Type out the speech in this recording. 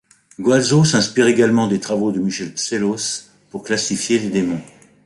Guazzo s'inspire également des travaux de Michel Psellos pour classifier les démons.